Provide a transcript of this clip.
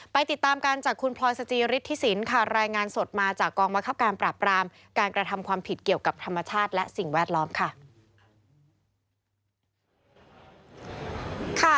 ติดตามกันจากคุณพลอยสจิฤทธิสินค่ะรายงานสดมาจากกองบังคับการปราบรามการกระทำความผิดเกี่ยวกับธรรมชาติและสิ่งแวดล้อมค่ะ